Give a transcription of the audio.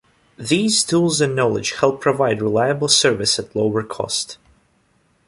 These tools and knowledge help provide reliable service at lower cost.